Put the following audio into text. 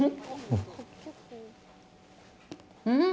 うん！